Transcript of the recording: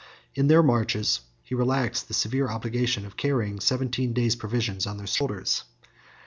In their marches he relaxed the severe obligation of carrying seventeen days' provision on their shoulders.